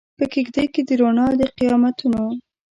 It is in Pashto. په کیږدۍ کې د روڼا د قیامتونو